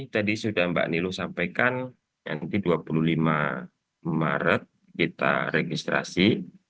jadi tadi sudah mbak nilo sampaikan nanti dua puluh lima maret kita registrasi